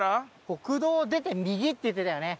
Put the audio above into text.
国道を出て右って言ってたよね。